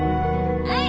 はい！